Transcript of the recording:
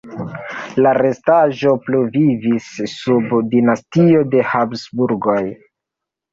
La restaĵo pluvivis sub dinastio de Habsburgoj.